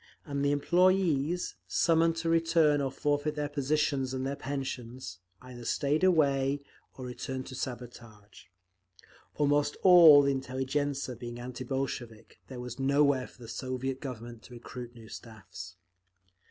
And the employees, summoned to return or forfeit their positions and their pensions, either stayed away or returned to sabotage…. Almost all the intelligentzia being anti Bolshevik, there was nowhere for the Soviet Government to recruit new staffs….